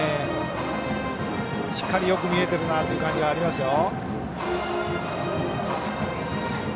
しっかりよく見えているなという感じがありますよ。